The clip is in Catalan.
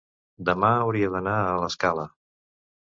demà hauria d'anar a l'Escala.